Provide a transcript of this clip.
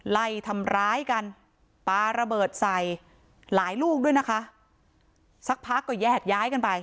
ไล่ทำร้ายกันปลาระเบิดใส่หลายลูกด้วยนะคะสักพักก็แยกย้ายกันไป